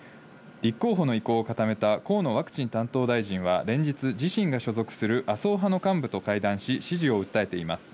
立候補の意向を固めた河野ワクチン担当大臣は、連日、自身が所属する麻生派の幹部と会談し、支持を訴えています。